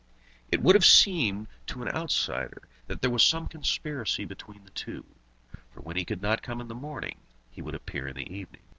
It would have seemed to an outsider that there was some conspiracy between the two, for when he could not come in the morning, he would appear in the evening.